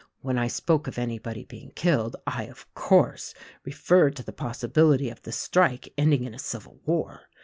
When I spoke of anybody being killed I, of course, referred to the possibility of this strike ending in a civil war.